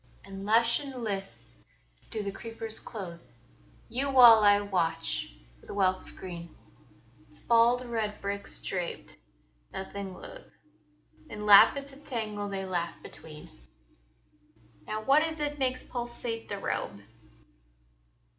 And lush and lithe do the creepers clothe Yon wall I watch, with a wealth of green: Its bald red bricks draped, nothing loath, In lappets of tangle they laugh between. Now, what is it makes pulsate the robe?